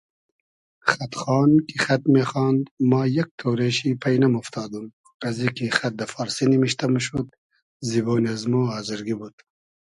خئد خان کی خئد میخاند ما یئگ تۉرې شی پݷ نئمۉفتادوم ازی کی خئد دۂ فارسی نیمشتۂ موشود زیبۉن از مۉ آزرگی بود